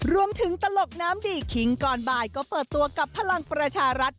ตลกน้ำดีคิงก่อนบ่ายก็เปิดตัวกับพลังประชารัฐ